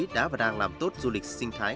đã và đang làm tốt du lịch sinh thái